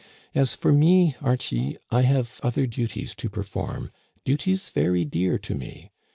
As for me, Archie, I have other duties to perform — duties very dear to me.